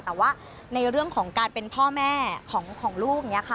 แต่ว่าในเรื่องของการเป็นพ่อแม่ของลูกอย่างนี้ค่ะ